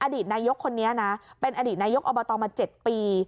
อดีตนายกคนนี้นะเป็นอดีตนายกอบตมา๗ปี